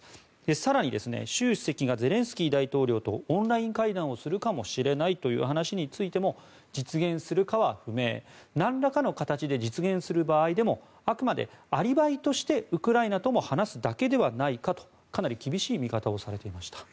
更に、習主席がゼレンスキー大統領とオンライン会談をするかもしれないという話についても実現するかは不明なんらかの形で実現する場合でもあくまでアリバイとしてウクライナとも話すだけではないかとかなり厳しい見方をされていました。